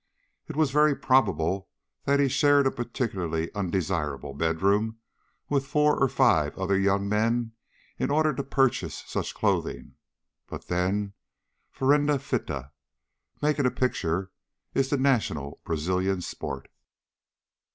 It was very probable that he shared a particularly undesirable bedroom with four or five other young men in order to purchase such clothing, but then, farenda fita making a picture is the national Brazilian sport.